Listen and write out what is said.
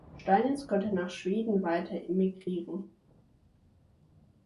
Steinitz konnte nach Schweden weiter emigrieren.